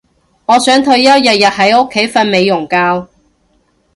我想退休日日喺屋企瞓美容覺